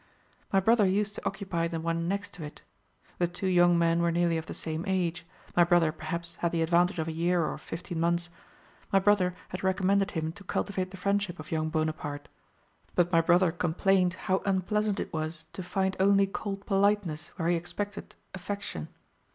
My brother used to occupy the one next to it. The two young men were nearly of the same age: my brother perhaps had the advantage of a year or fifteen months. My mother had recommended him to cultivate the friendship of young Bonaparte; but my brother complained how unpleasant it was to find only cold politeness where he expected affection.